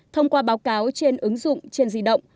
thông qua báo cáo trên ứng dụng trên di động